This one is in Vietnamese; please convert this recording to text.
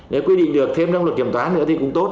nếu quy định được thêm trong luật kiểm toán nữa thì cũng tốt